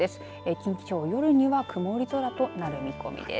近畿地方、夜には曇り空となる見込みです。